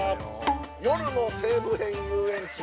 夜の西武園ゆうえんち。